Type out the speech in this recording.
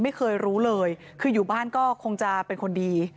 ไม่เคยรู้เลยคืออยู่บ้านก็คงจะเป็นคนดี